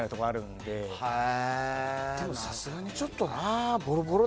でもさすがにちょっとな。